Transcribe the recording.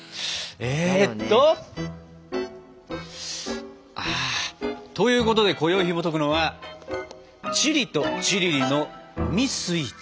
えっと。ということでこよいひもとくのは「チリとチリリ」の海スイーツ。